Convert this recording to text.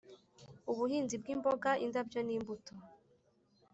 ubuhinzi bw imboga indabyo n imbuto